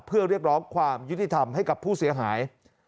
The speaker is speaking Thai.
เพื่อเรียกร้องความยุติธรรมให้กับผู้เสียหาย